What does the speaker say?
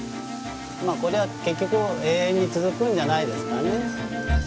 まあこれは結局永遠に続くんじゃないですかね。